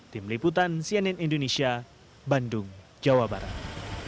tim liputan cnn indonesia bandung jawa barat